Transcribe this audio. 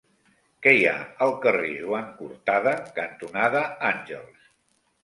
Què hi ha al carrer Joan Cortada cantonada Àngels?